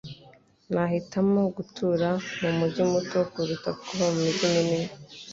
Nahitamo gutura mumujyi muto kuruta kuba mumujyi munini.